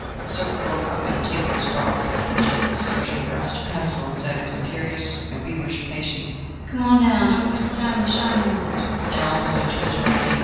The circle broke up, and a table was brought, with writing materials. Gershom grasped a pencil, and said, with imperious and feverish impatience, "Come on, now, and don't waste the time of the shining ones." An old woman took his right hand.